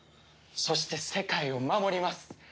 そして世界を守ります。